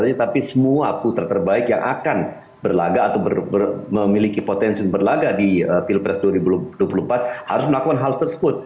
tapi semua putra terbaik yang akan berlaga atau memiliki potensi berlagak di pilpres dua ribu dua puluh empat harus melakukan hal tersebut